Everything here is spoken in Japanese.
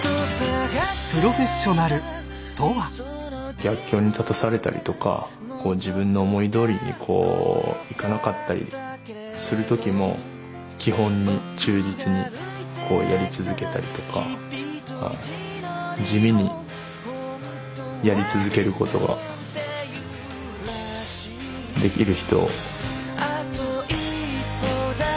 逆境に立たされたりとか自分の思いどおりにいかなかったりする時も基本に忠実にやり続けたりとか地味にやり続ける事ができる人。